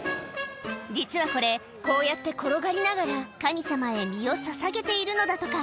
実はこれ、こうやって転がりながら神様へ身をささげているのだとか。